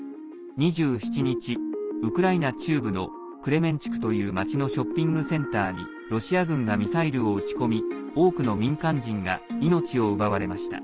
２７日、ウクライナ中部のクレメンチュクという街のショッピングセンターにロシア軍がミサイルを撃ち込み多くの民間人が命を奪われました。